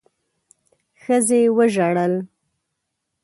ښځې وژړل.